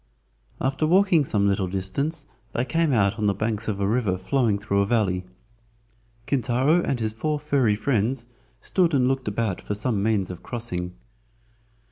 After walking some little distance they came out on the banks of a river flowing through a valley. Kintaro and his four furry friends stood and looked about for some means of crossing.